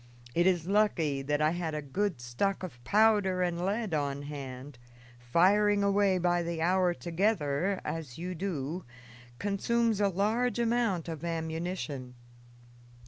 It is lucky that I had a good stock of powder and lead on hand; firing away by the hour together, as you do, consumes a large amount of ammunition.